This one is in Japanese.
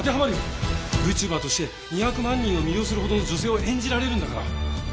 Ｖチューバーとして２００万人を魅了するほどの女性を演じられるんだから。